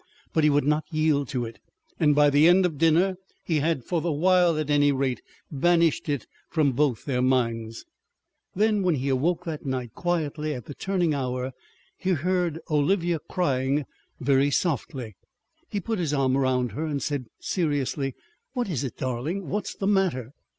But he would not yield to it, and by the end of dinner he had, for the while at any rate, banished it from both their minds. Then when he awoke that night, quietly, at the turning hour, he heard Olivia crying very softly. He put his arm round her and said seriously "What is it, darling? What's the matter?"